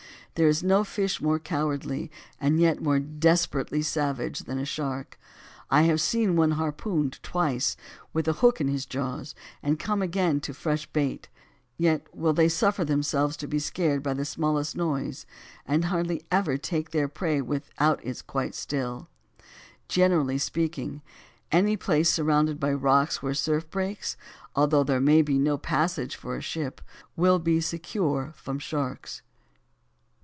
There is no fish more cowardly, and yet more desperately savage than a shark. I have seen one harpooned twice, with a hook in his jaws, and come again to a fresh bait, yet will they suffer themselves to be scared by the smallest noise, and hardly ever take their prey without it is quite still. Generally speaking, any place surrounded by rocks where the surf breaks, although there may be no passage for a ship, will be secure from sharks.